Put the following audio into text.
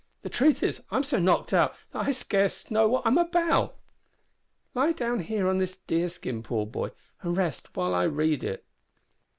"The truth is I'm so knocked up that I scarce know what I'm about." "Lie down here on this deer skin, poor boy, and rest while I read it."